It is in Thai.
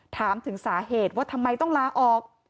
ถามถึงสาเหตุว่าทำไมต้องลาออก